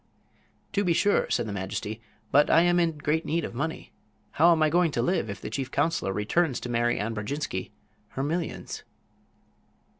"To be sure," said the majesty. "But I am in great need of money. How am I going to live if the chief counselor returns to Mary Ann Brodjinski her millions?"